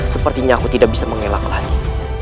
sepertinya aku tidak bisa mengelak lagi